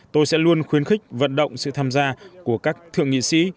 tôi sẽ luôn khuyến khích vận động sự tham gia của các thượng nghị sĩ